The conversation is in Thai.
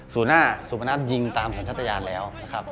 สุดหน้าสุขมนาฏยิงตามสมชาติญานต์แล้ว